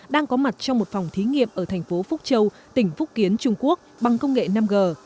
đang có mặt trong một phòng thí nghiệm ở thành phố phúc châu tỉnh phúc kiến trung quốc bằng công nghệ năm g